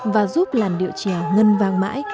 và giúp làn điệu trèo ngân vang mãi